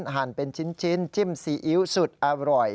หั่นเป็นชิ้นจิ้มซีอิ๊วสุดอร่อย